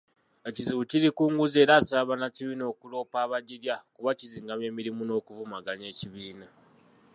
Ekizibu kiri ku nguzi era asaba bannakibiina okuloopa abagirya kuba kizing'amya emirimu n'okuvumaganya ekibiina.